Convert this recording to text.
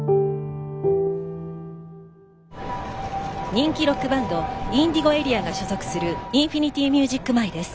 人気ロックバンドＩｎｄｉｇｏＡＲＥＡが所属するインフィニティミュージック前です。